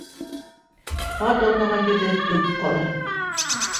Ат аунаған ерҙә төк ҡала.